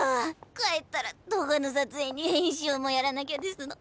帰ったら動画の撮影に編集もやらなきゃですの。